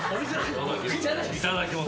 いただきます。